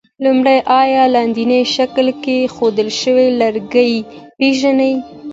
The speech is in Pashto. لومړی: آیا لاندیني شکل کې ښودل شوي لرګي پېژنئ؟